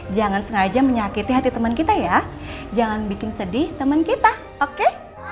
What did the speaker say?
jangan sengaja menyakiti hati teman kita ya jangan bikin sedih temen kita oke